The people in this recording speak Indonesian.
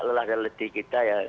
lelah dan letih kita ya